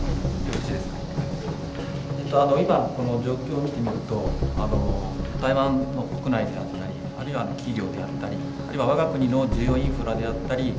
「今この状況を見てみると台湾の国内であったりあるいは企業であったりあるいは我が国の重要インフラであったり」。